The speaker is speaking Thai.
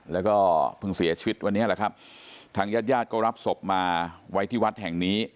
แล้วก็เพิ่งเสียชีวิตวันนี้แหละครับทางญาติญาติก็รับศพมาไว้ที่วัดแห่งนี้